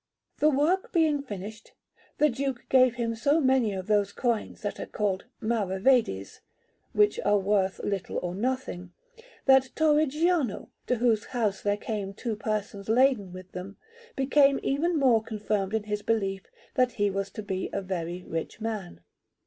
The work being finished, the Duke gave him so many of those coins that are called "maravedis," which are worth little or nothing, that Torrigiano, to whose house there came two persons laden with them, became even more confirmed in his belief that he was to be a very rich man.